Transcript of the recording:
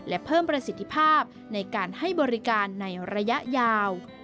และเพิ่มประสิทธิภาพในการให้บริการในระยะยาว